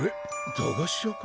駄菓子屋か？